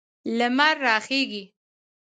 لمر راخیږي